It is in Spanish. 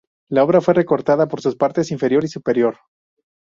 La obra fue recortada por sus partes inferior y superior.